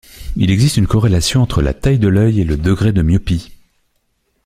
Il existe une corrélation entre la taille de l'œil et le degré de myopie.